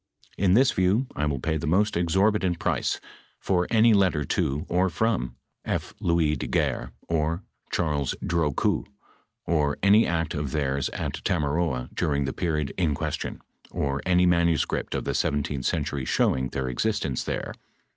In this view, I will pay the most exorbitant price for any let ter to or from F. Louis de Guerre, or Charles Drocoux, or any act of theirs at Tamaroa during the period in question, or any manuscript of the I7th century showing their existence there.